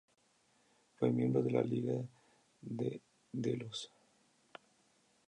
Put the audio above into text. Fue miembro de la Liga de Delos.